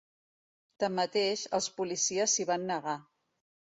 Tanmateix, els policies s’hi van negar.